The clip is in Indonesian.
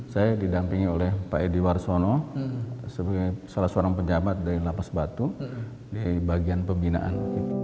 saya didampingi oleh pak edi warsono sebagai salah seorang penjabat dari lapas batu di bagian pembinaan